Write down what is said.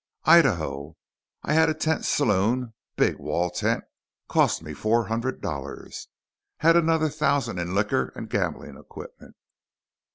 "Idaho. I had a tent saloon; big wall tent, cost me four hundred dollars. Had another thousand in liquor and gambling equipment.